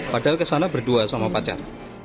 padahal kesana berdua sama pacar